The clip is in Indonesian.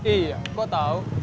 iya kok tau